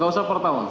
gak usah per tahun